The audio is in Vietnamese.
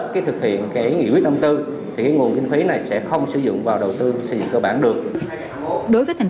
thì cái nguồn kinh phí này sẽ không sử dụng